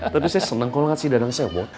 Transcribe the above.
tapi saya seneng kalau ngasih dadang sewat